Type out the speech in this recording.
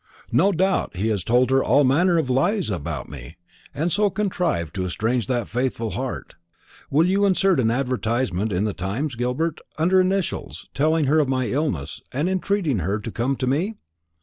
No doubt he has told her all manner of lies about me, and so contrived to estrange that faithful heart. Will you insert an advertisement in the Times, Gilbert, under initials, telling her of my illness, and entreating her to come to me?"